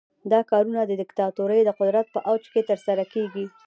دا کارونه د دیکتاتورۍ د قدرت په اوج کې ترسره کیږي.